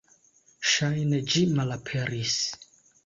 Ŝajne ĝi malaperis.